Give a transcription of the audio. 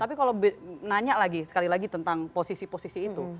tapi kalau nanya lagi sekali lagi tentang posisi posisi itu